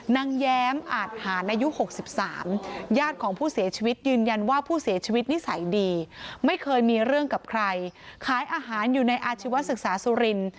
แย้มอาจหารอายุ๖๓ญาติของผู้เสียชีวิตยืนยันว่าผู้เสียชีวิตนิสัยดีไม่เคยมีเรื่องกับใครขายอาหารอยู่ในอาชีวศึกษาสุรินทร์